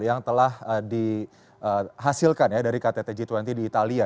yang telah dihasilkan ya dari ktt g dua puluh di italia